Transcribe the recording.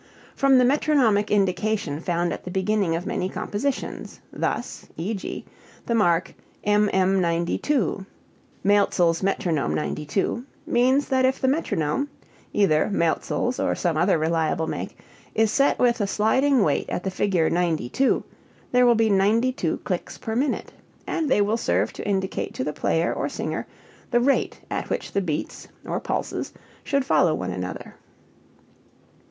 From the metronomic indication found at the beginning of many compositions. Thus e.g., the mark M.M. 92 (Maelzel's Metronome 92) means that if the metronome (either Maelzel's or some other reliable make) is set with the sliding weight at the figure 92 there will be 92 clicks per minute, and they will serve to indicate to the player or singer the rate at which the beats (or pulses) should follow one another.